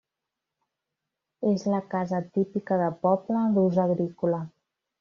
És la casa típica de poble d'ús agrícola.